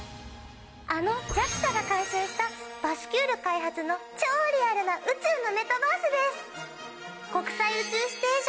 あのＪＡＸＡが監修したバスキュール開発の超リアルな宇宙のメタバースです。